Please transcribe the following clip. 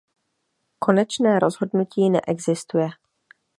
Konečné rozhodnutí neexistuje.